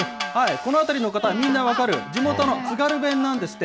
この辺りの方、みんな分かる、地元の津軽弁なんですって。